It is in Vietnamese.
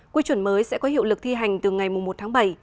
quy chuẩn mới sẽ có hiệu lực thi hành từ ngày một tháng bảy